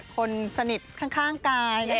คนสนิทข้างกาย